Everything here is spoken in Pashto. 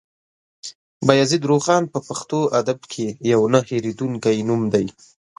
بايزيد روښان په پښتو ادب کې يو نه هېرېدونکی نوم دی.